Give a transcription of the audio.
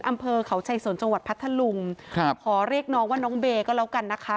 อำเภอเขาชัยสนจังหวัดพัทธลุงครับขอเรียกน้องว่าน้องเบย์ก็แล้วกันนะคะ